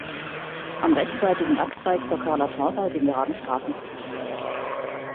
Am rechtsseitigen Abzweig zur "Cala Torta" den geraden Straßenverlauf wählen.